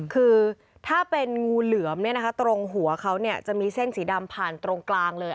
คือถ้าเป็นงูเหลือมตรงหัวเขาจะมีเส้นสีดำผ่านตรงกลางเลย